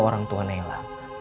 dua orang tua nela